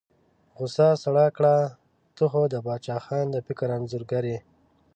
غوسه سړه کړه، ته خو د باچا خان د فکر انځورګر یې.